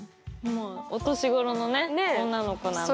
お年頃のね女の子なので。